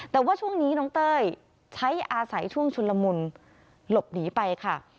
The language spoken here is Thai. แต่ว่าช่วงนี้น้องเต้ยใช้อาศัยช่วงชุนละมุนหลบหนีไปค่ะ